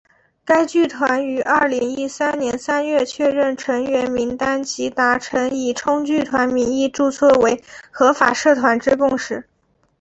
该剧团于二零一三年三月确认成员名单及达成以冲剧团名义注册为合法社团之共识。